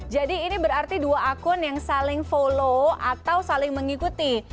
jadi ini berarti dua akun yang saling follow atau saling mengikuti